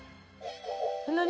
何？